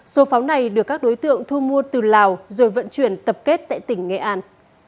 số pháo này được các đối tượng thu mua từ lào rồi vận chuyển tập kết tại tỉnh nghệ an